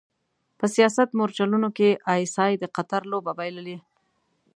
په سیاست مورچلونو کې ای ایس ای د قطر لوبه بایللې.